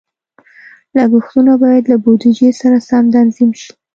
لګښتونه باید له بودیجې سره سم تنظیم شي.